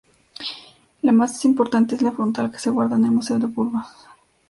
La más importante es la frontal, que se guarda en el Museo de Burgos.